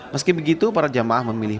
meski begitu para jamaah memilih